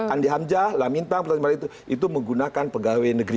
andi hamzah lamintang pertama itu menggunakan pegawai negeri